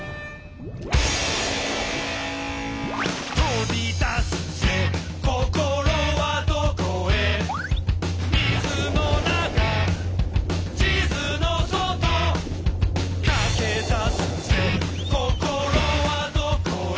「飛び出すぜ心はどこへ」「水の中地図の外」「駆け出すぜ心はどこへ」